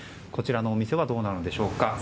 こちらのお店はどうでしょうか。